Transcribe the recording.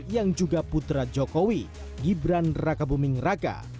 yang juga putra jokowi gibran raka buming raka